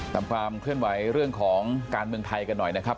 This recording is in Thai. ความเคลื่อนไหวเรื่องของการเมืองไทยกันหน่อยนะครับ